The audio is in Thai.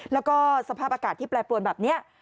แล้วก็สภาพอากาศที่แปรปรวนแบบนี้